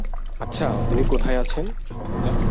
আচ্ছা, উনি কোথায় আছেন?